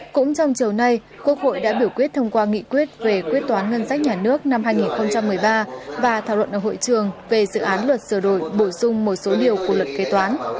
cũng trong chiều nay quốc hội đã biểu quyết thông qua nghị quyết về quyết toán ngân sách nhà nước năm hai nghìn một mươi ba và thảo luận ở hội trường về dự án luật sửa đổi bổ sung một số điều của luật kế toán